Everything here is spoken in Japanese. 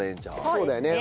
そうだよね。